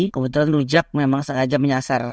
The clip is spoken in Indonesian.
kebetulan rujak memang sengaja menyasar